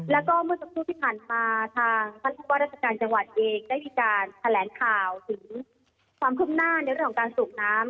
แล้วก็เมื่อสักครู่ที่ผ่านมาทางท่านผู้ว่าราชการจังหวัดเองได้มีการแถลงข่าวถึงความคืบหน้าในเรื่องของการสูบน้ำ